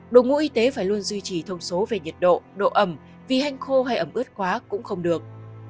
đội ngũ y tế phải luôn duy trì thông số về nhiệt độ độ ẩm vì hanh khô hay ẩm ướt quá cũng không được